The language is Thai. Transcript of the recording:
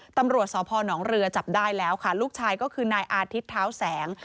ตำรวจสพนเรือจับได้แล้วค่ะลูกชายก็คือนายอาทิตย์เท้าแสง